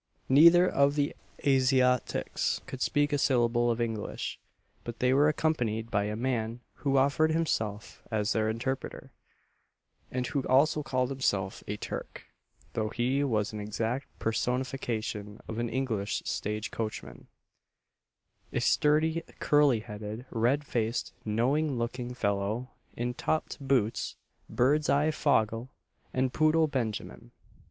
Neither of the Asiatics could speak a syllable of English, but they were accompanied by a man who offered himself as their interpreter, and who also called himself a Turk though he was an exact personification of an English stage coachman, a sturdy, curly headed, red faced, knowing looking fellow, in topp'd boots, bird's eye fogle, and poodle benjamin.